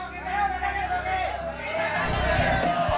ini cucian ayah habis kotor semua